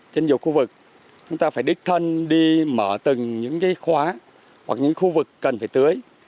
trên nhiều khu vực chúng ta phải đích thân đi mở từng những khóa hoặc những khu vực cần phải tưới